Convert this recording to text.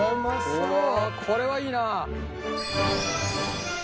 うわこれはいいな！